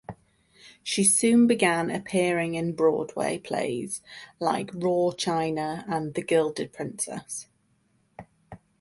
She soon began appearing in Broadway plays like "Roar China" and "The Gilded Princess".